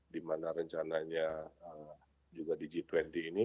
dimana rencananya juga di g dua puluh ini